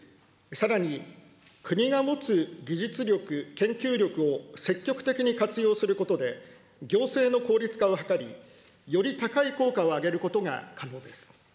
さらに、国が持つ技術力・研究力を積極的に活用することで、行政の効率化を図り、より高い効果を上げることが可能です。